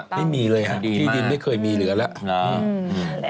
ไม่มีเลยฮะที่ดินไม่เคยมีเหลือแล้ว